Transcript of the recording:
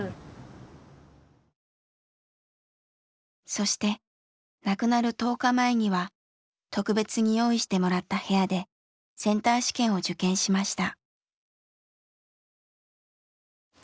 そして亡くなる１０日前には特別に用意してもらった部屋でセンター試験を受験しました。